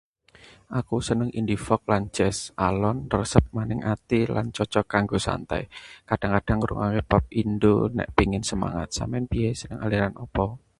Aku seneng indie folk lan jazz — alon, nresep maning ati lan cocok kanggo santai. Kadhang-kadhang ngrungokke pop Indo nek pengin semangat. Sampeyan piye, seneng aliran apa?